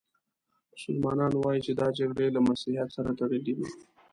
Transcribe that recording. مسلمانان وايي چې دا جګړې له مسیحیت سره تړلې دي.